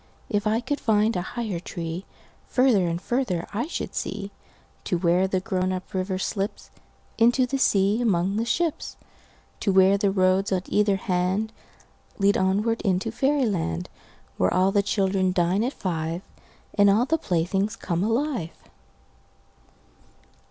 If I could find a higher treeFarther and farther I should see, To where the grown up river slipsInto the sea among the ships. To where the roads on either handLead onward into fairy land, Where all the children dine at five, And all the playthings come alive.